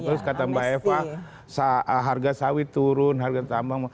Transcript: terus kata mbak eva harga sawit turun harga tambang